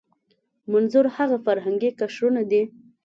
منظور هغه فرهنګي قشرونه دي.